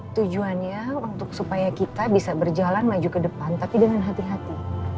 tujuannya untuk supaya kita bisa berjalan maju ke depan tapi dengan hati hati